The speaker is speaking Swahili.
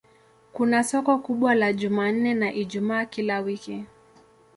Kuna soko kubwa la Jumanne na Ijumaa kila wiki.